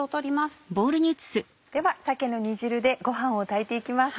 では鮭の煮汁でご飯を炊いて行きます。